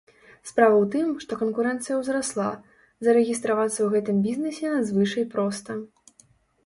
Справа ў тым, што канкурэнцыя ўзрасла, зарэгістравацца ў гэтым бізнэсе надзвычай проста.